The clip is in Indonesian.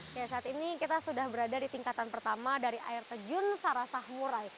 ya saat ini kita sudah berada di tingkatan pertama dari air terjun sarasah murai